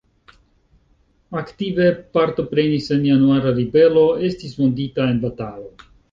Aktive partoprenis en Januara ribelo, estis vundita en batalo.